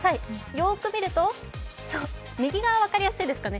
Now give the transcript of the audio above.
よーく見るとそう、右側が分かりやすいですかね